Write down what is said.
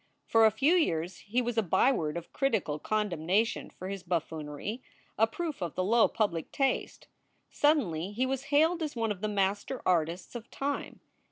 For a few years he was a byword of critical condemnation for his buffoonery, a proof of the low public taste. Suddenly he was hailed as one of the master artists of time.